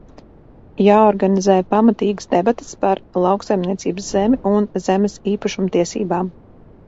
Jāorganizē pamatīgas debates par lauksaimniecības zemi un zemes īpašumtiesībām.